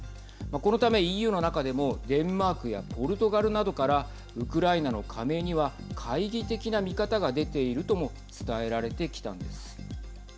このためＥＵの中でもデンマークやポルトガルなどからウクライナの加盟には懐疑的な見方が出ているとも伝えられてきたんです。